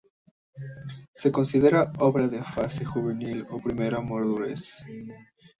Se considera obra de fase juvenil, o primera madurez.